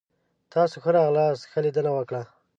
تاسو ښه راغلاست. ښه لیدنه وکړه!